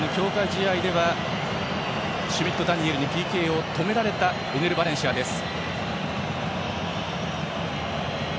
試合ではシュミット・ダニエルにＰＫを止められたエネル・バレンシアです。